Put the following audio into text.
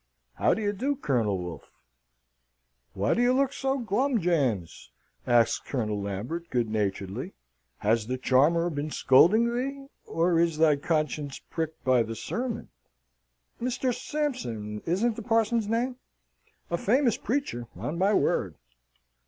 How do you do, Colonel Wolfe?" "Why do you look so glum, James?" asks Colonel Lambert, good naturedly. "Has the charmer been scolding thee, or is thy conscience pricked by the sermon. Mr. Sampson, isn't the parson's name? A famous preacher, on my word!"